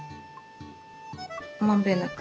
まんべんなく。